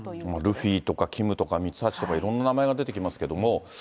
ルフィとかキムとかミツハシとか、いろんな名前が出てきますけども。